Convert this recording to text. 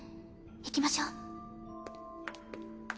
行きましょう。